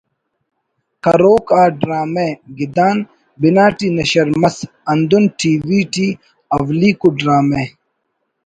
کروک آ ڈرامہ ”گدان“ بنا ٹی نشر مس ہندن ٹی وی ٹی اولیکو ڈرامہ